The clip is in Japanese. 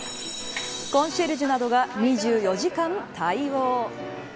コンシェルジュなどが２４時間対応。